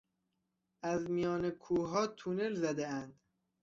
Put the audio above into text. از میان کوهها تونل زدهاند.